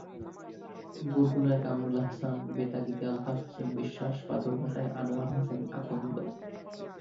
বরগুনায় কামরুল আহসান, বেতাগীতে আলতাফ হোসেন বিশ্বাস, পাথরঘাটায় আনোয়ার হোসেন আকন্দ।